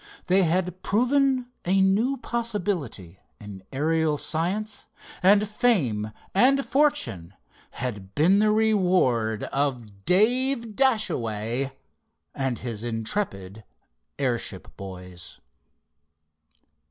They had proven a new possibility in aerial science, and fame and fortune had been the reward of Dave Dashaway and his intrepid airship boys.